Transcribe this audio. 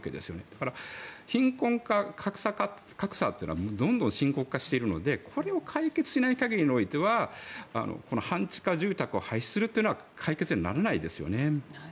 だから、貧困化格差というのはどんどん深刻化しているのでこれを解決しない限りにおいてはこの半地下住宅を廃止するというのは解決にならないですよね。